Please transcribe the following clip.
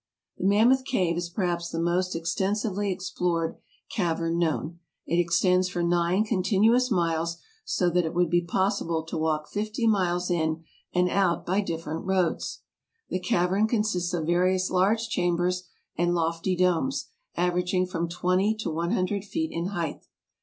The Mammoth Cave is perhaps the most extensively ex plored cavern known. It extends for nine continuous miles, so that it would be possible to walk fifty miles in and out by different roads. The cavern consists of various large chambers and lofty domes, averaging from twenty to one hundred feet in height.